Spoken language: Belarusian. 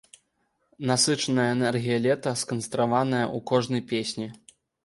Насычаная энергія лета сканцэнтраваная ў кожнай песні.